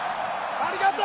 ありがとう。